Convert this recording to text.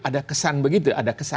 ada kesan begitu